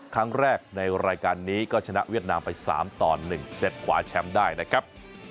ครั้งแรกในรายการนี้ก็ชนะเวียดนามไป๓ต่อ๑เซตขวาแชมป์ได้นะครับ